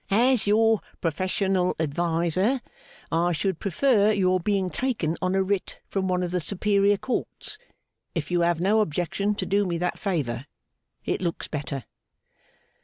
As your professional adviser, I should prefer your being taken on a writ from one of the Superior Courts, if you have no objection to do me that favour. It looks better.